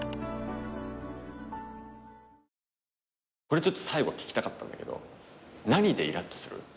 これ最後聞きたかったんだけど何でイラッとする？